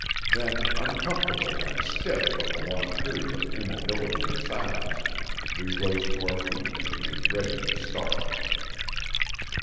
Then, uncomfortable and stiff from the long period of immobility and silence, we rose to our feet and made ready to start.